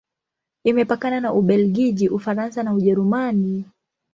Imepakana na Ubelgiji, Ufaransa na Ujerumani.